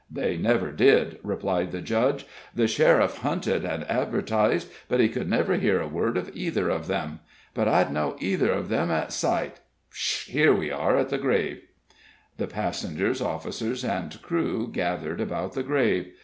"They never did," replied the Judge. "The sheriff hunted and advertised, but he could never hear a word of either of them. But I'd know either one of them at sight. Sh h here we are at the grave." The passengers, officers, and crew gathered about the grave.